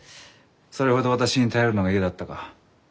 それほど私に頼るのが嫌だったか？